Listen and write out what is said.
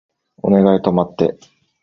お願い止まって